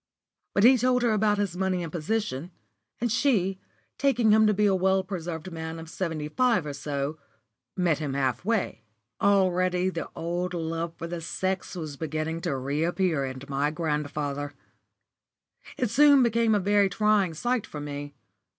But he told her about his money and position, and she, taking him to be a well preserved man of seventy five or so, met him half way. Already the old love for the sex was beginning to reappear in my grandfather. It soon became a very trying sight for me.